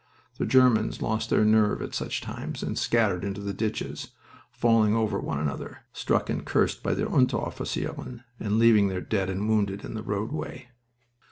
The Germans lost their nerve at such times, and scattered into the ditches, falling over one another, struck and cursed by their Unteroffizieren, and leaving their dead and wounded in the roadway.